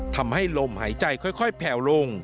ทำให้ลมหายใจค่อยแผ่วลง